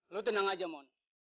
lo tenang aja mon